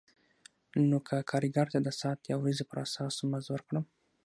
نو که کارګر ته د ساعت یا ورځې پر اساس مزد ورکړم